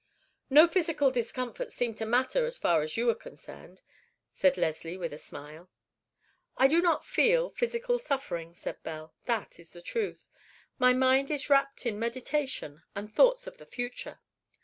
"No physical discomforts seem to matter as far as you are concerned," said Leslie with a smile. "I do not feel physical suffering," said Belle: "that is the truth. My mind is wrapped in meditation and thoughts of the future.